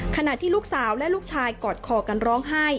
ขณะที่ลูกสาวและลูกชายกอดคอกันร้องไห้